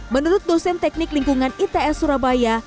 menurut dosen teknik lingkungan its surabaya